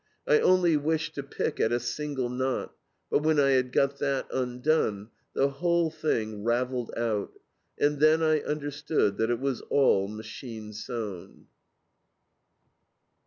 I only wished to pick at a single knot, but when I had got that undone, the whole thing ravelled out. And then I understood that it was all machine sewn."